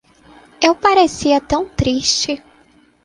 Eu parecia tão triste.